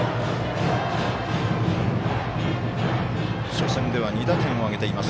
初戦では２打点を挙げています